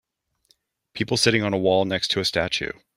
People sitting on a wall next to a statue.